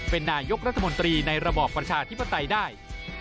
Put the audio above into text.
เป็นนายกรัฐมนตรีในระบอบประชาธิปไตยได้